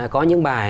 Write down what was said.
có những bài